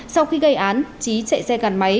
sau khi gây án trí chạy xe gắn máy